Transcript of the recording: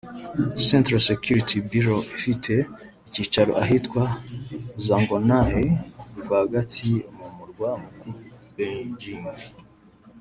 Central Security Bureau ifite icyicaro ahitwa Zongnanhai rwagati mu Murwa Mukuru Beijing